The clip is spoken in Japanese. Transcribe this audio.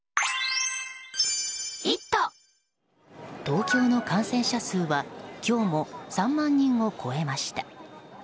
東京の感染者数は今日も３万人を超えました。